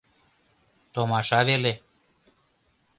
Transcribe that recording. Томаша веле!